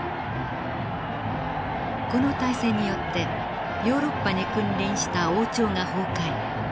この大戦によってヨーロッパに君臨した王朝が崩壊。